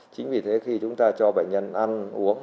chính vì thế khi chúng ta cho bệnh nhân ăn uống